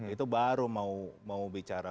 itu baru mau bicara